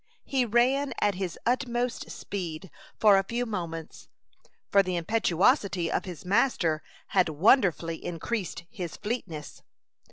He ran at his utmost speed for a few moments, for the impetuosity of his master had wonderfully increased his fleetness.